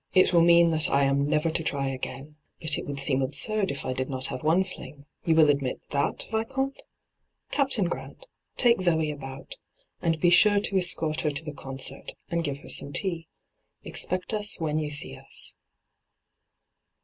' It will mean that I am never to try ^ain. But it would seem absurd if I did not have one fling — yoa will admit that, Vieomte? Captain Grant, take Zoe about, and be sure to escort her to the concert, and give her some tea. Expect us when you see us.'